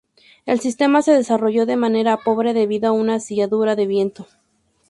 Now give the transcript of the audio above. El sistema se desarrolló de manera pobre debido a una cizalladura de viento.